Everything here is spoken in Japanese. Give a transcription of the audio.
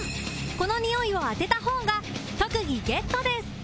この匂いを当てた方が特技ゲットです